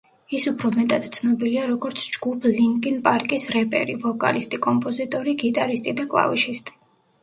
ის უფრო მეტად ცნობილია, როგორც ჯგუფ ლინკინ პარკის რეპერი, ვოკალისტი კომპოზიტორი, გიტარისტი და კლავიშისტი.